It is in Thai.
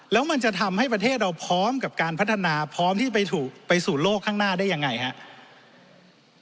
แล้วมันจะทำให้ประเทศเราพร้อมกับการพัฒนาพร้อมที่จะไปสู่โลกข้างหน้าได้ยังไงครับ